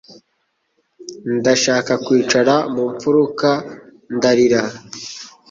Ndashaka kwicara mu mfuruka ndarira.